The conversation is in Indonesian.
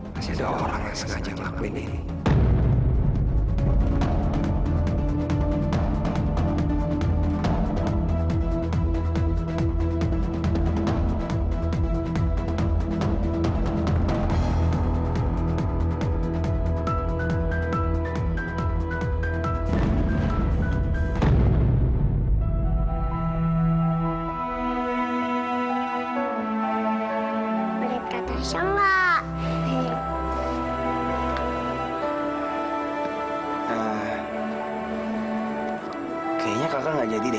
masih ada orang yang sengaja ngakuin ini